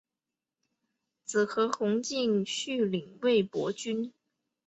子何弘敬续领魏博军。